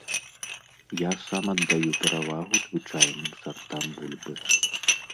Я сам аддаю перавагу звычайным сартам бульбы.